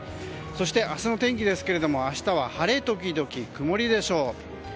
そして明日の天気ですが明日は晴れ時々曇りでしょう。